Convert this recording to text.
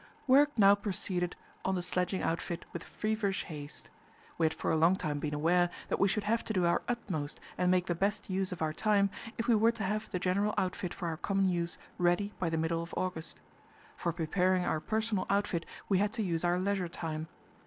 Work now proceeded on the sledging outfit with feverish haste. We had for a long time been aware that we should have to do our utmost and make the best use of our time if we were to have the general outfit for our common use ready by the middle of August. For preparing our personal outfit we had to use our leisure time.